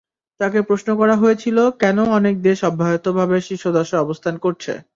তাঁকে প্রশ্ন করা হয়েছিল কেন অনেক দেশ অব্যাহতভাবে শীর্ষ দশে অবস্থান করছে।